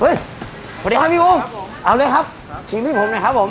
เฮ้ยสวัสดีครับพี่อูมครับผมเอาเลยครับครับชิมให้ผมนะครับผม